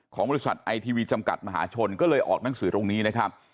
ของบริษัทไอทีวีจำกัดมหาชนก็เลยออกหนังสือตรงนี้นะครับ